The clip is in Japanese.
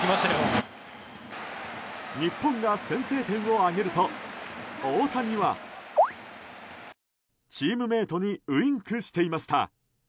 日本が先制点を挙げると大谷はチームメートにウインクしていました。